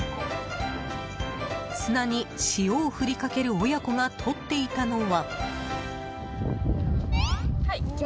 砂に塩を振りかける親子がとっていたのは。